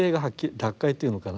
脱会というのかな